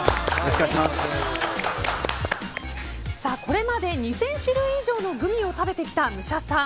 これまで２０００種類以上のグミを食べてきた武者さん。